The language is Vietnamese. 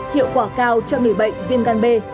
hiệu quả cao cho người bệnh viêm gan b